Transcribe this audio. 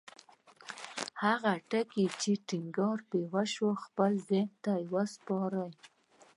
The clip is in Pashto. هغه ټکي چې ټينګار پرې وشو خپل ذهن ته وسپارئ.